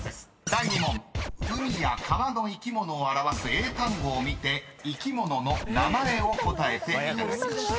［第２問海や川の生き物を表す英単語を見て生き物の名前を答えていただきます］